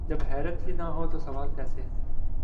جب حیرت ہی نہ ہو تو سوال کیسے؟